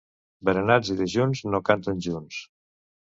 Berenats i dejuns no canten junts.